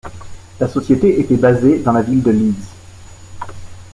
La société était basée dans la ville de Leeds.